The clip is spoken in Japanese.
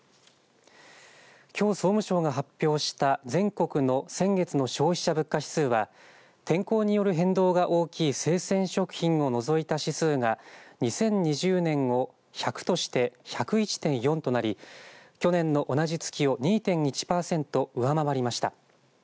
きょう、総務省が発表した全国の先月の消費者物価指数は天候による変動が大きい生鮮食品を除いた指数が２０２０年を１００として１０１．４となり去年の同じ月を２．１パーセント上回りました。